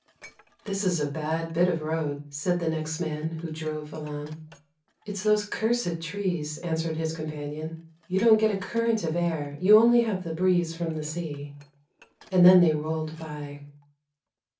' This is a bad bit of road,' said the next man who drove along. ' It's those cursed trees,' answered his companion. ' You don't get a current of air, you only have the breeze from the sea,' and then they rolled by.